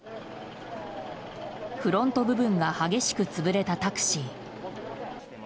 フロント部分が激しく潰れたタクシー。